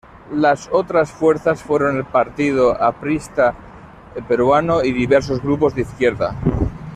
Las otras fuerzas fueron el Partido Aprista Peruano y diversos grupos de izquierda.